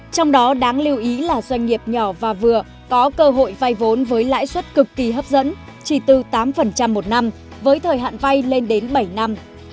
trong đó đáng lưu ý là doanh nghiệp nhỏ và vừa có cơ hội vay vốn với lãi suất cực kỳ hấp dẫn chỉ từ tám một năm với thời hạn vay lên đến bảy năm